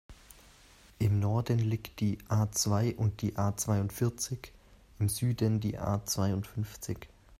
Im Norden liegen die A-zwei und die A-zweiundvierzig, im Süden die A-zweiundfünfzig.